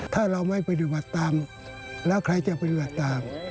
ถ้าเราไม่ปฏิบัติตามแล้วใครจะปฏิบัติตาม